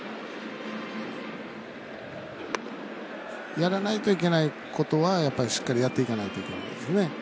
やらないといけないことはしっかりやっていかないといけないですね。